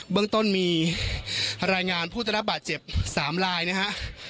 เบื้องต้นมีรายงานพุทธรรพบาทเจ็บ๓ลายนะฮะ